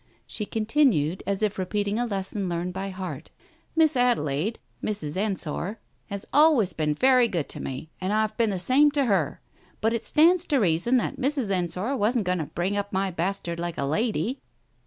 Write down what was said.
She continued, as if repeating a lesson learned by heart, "Miss Adelaide — Mrs. Ensor — has always been very good to me and I've been the same to her. But it stands to reason that Mrs. Ensor wasn't going to bring up my bastard like a lady.